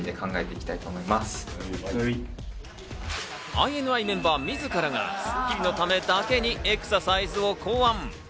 ＩＮＩメンバーみずからが『スッキリ』のためだけにエクササイズを考案。